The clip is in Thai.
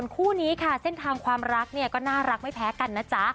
คู่นี้ค่ะเส้นทางความรักเนี่ยก็น่ารักไม่แพ้กันนะจ๊ะ